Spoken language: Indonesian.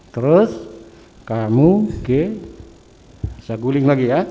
terus kamu oke saguling lagi ya